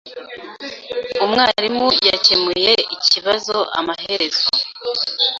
Umwarimu yakemuye ikibazo amaherezo.